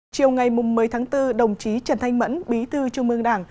chiều ngày một mươi tháng bốn đồng chí trần thanh mẫn bí thư trung ương đảng